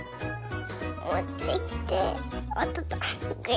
もってきておっとっと。